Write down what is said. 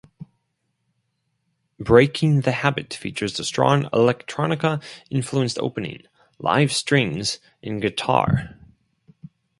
"Breaking the Habit" features a strong electronica-influenced opening, live strings and guitar.